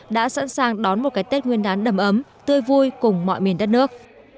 đã sẵn sàng đón một cái tết nguyên đán đầm ấm tươi vui cùng mọi miền đất nước